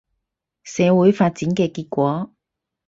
社會發展嘅結果